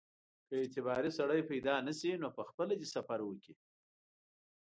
که اعتباري سړی پیدا نه شي نو پخپله دې سفر وکړي.